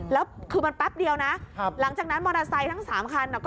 แล้วคือมันแป๊บเดียวนะหลังจากนั้นมอเตอร์ไซค์ทั้ง๓คัน